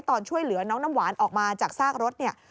ตอนช่วยเหลือน้องน้ำหวานออกมาจากซากรถเนี่ย